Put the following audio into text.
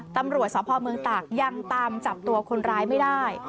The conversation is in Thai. ตำรวจสพเมืองตากยังตามจับตัวคนร้ายไม่ได้